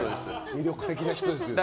魅力的な人ですよね。